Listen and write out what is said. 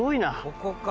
「ここか」